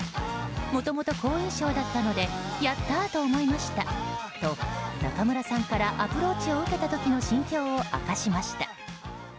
もともと好印象だったのでやったーと思いましたと中村さんからアプローチを受けた時の心境を明かしました。